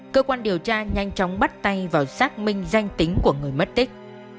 cơ quan điều tra nhanh chóng bắt tay vào xác minh danh tính của người mất tích